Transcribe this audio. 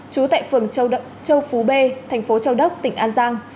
trú tại phường châu phú b thành phố châu đốc tỉnh an giang